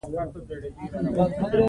ريښتيا همداسې هم وشول.